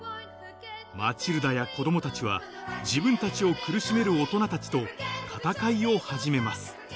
マチルダや子供たちは自分たちを苦しめる大人たちと戦いを始めます